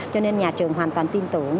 cho nên nhà trường hoàn toàn tin tưởng